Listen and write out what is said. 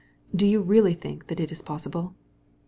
do you really think it's possible?